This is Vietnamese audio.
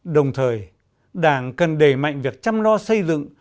đồng thời đảng cần đẩy mạnh việc chăm lo xây dựng